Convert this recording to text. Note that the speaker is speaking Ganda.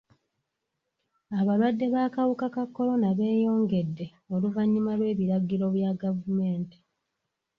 Abalwadde b'akawuka ka kolona beeyongera oluvannyuma lw'ebiragiro bya gavumenti.